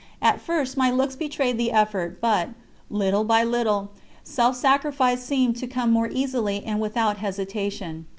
At first my looks betrayed the effort, but, little by little, self sacrifice seemed to come more easily and without hesitation.